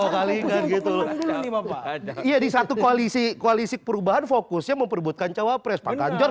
kali itu iya di satu koalisi koalisi perubahan fokusnya memperbutkan cowok pres pak ganjar